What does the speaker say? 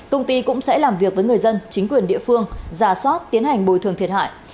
công ty cũng sẽ làm việc với người dân chính quyền địa phương giả soát tiến hành bồi thường thiệt hại